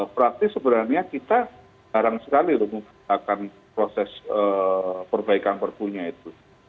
berarti sebenarnya kita jarang sekali lakukan proses perbaikan perpunya itu